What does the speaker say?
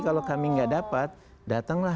kalau kami nggak dapat datanglah